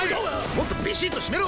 もっとビシッと締めろ！